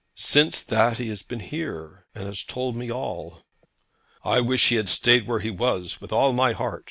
Since that he has been here, and he has told me all.' 'I wish he had stayed where he was with all my heart.